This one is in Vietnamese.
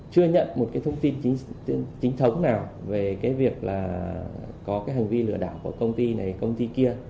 chưa nhận một thông tin chính thống nào về việc có hành vi lửa đảo của công ty này công ty kia